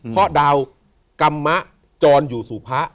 เพราะดาวกรรมมะจรอยู่สู่พระ